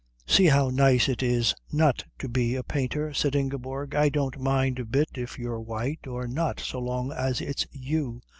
"See how nice it is not to be a painter," said Ingeborg. "I don't mind a bit if you're white or not so long as it's you."